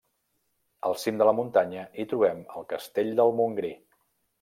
Al cim de la muntanya hi trobem el Castell del Montgrí.